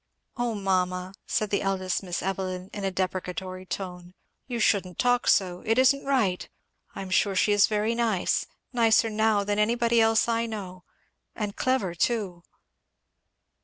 "Oh mamma!" said the eldest Miss Evelyn in a deprecatory tone, "you shouldn't talk so it isn't right I am sure she is very nice nicer now than anybody else I know; and clever too."